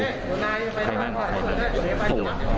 ใครนั่นใครนั่น